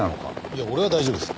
いや俺は大丈夫です。